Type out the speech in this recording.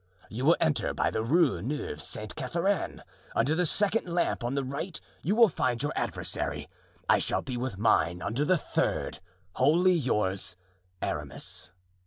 "You will enter by the Rue Neuve Sainte Catherine; under the second lamp on the right you will find your adversary. I shall be with mine under the third. "Wholly yours, "Aramis."